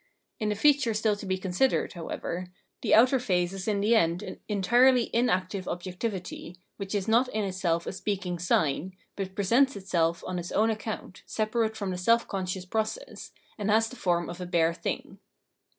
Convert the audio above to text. In the feature still to be considered, however, the outer phase is in the end an entirely inactive objectivity, which is not in itself a speaking sign, but presents itself on its own account, separate from the self conscious process, and has the form of a bare thing.